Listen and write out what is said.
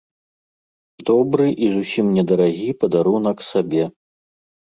Добры і зусім не дарагі падарунак сабе.